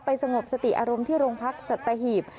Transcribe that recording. สงบสติอารมณ์ที่โรงพักสัตหีบ